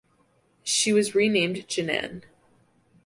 She was renamed "Jinan".